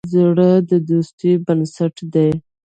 زړه د دوستی بنسټ دی.